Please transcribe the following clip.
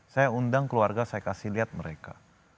saya undang keluarga saya kasih lihat mereka